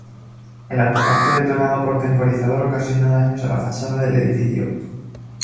El artefacto detonado por temporizador ocasionó daños a la fachada del edificio.